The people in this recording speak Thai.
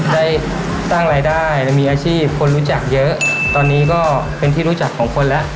ได้สร้างรายได้และมีอาชีพคนรู้จักเยอะตอนนี้ก็เป็นที่รู้จักของคนแล้ว